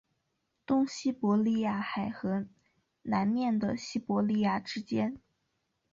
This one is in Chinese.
东西伯利亚海和南面的西伯利亚之间。